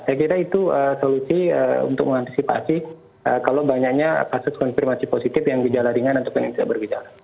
saya kira itu solusi untuk mengantisipasi kalau banyaknya kasus konfirmasi positif yang dijalan ringan untuk penelitian berbicara